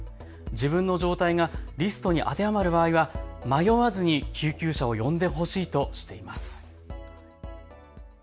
自分の状態がリストに当てはまる場合は迷わずに救急車を呼んでほしいとしています。